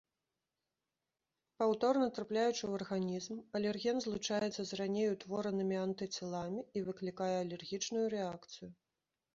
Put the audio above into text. Паўторна трапляючы ў арганізм, алерген злучаецца з раней утворанымі антыцеламі і выклікае алергічную рэакцыю.